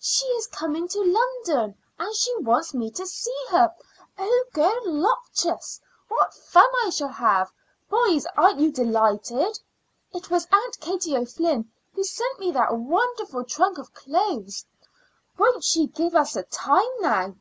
She is coming to London, and she wants me to see her. Oh, golloptious! What fun I shall have! Boys, aren't you delighted? It was Aunt Katie O'Flynn who sent me that wonderful trunk of clothes. Won't she give us a time now?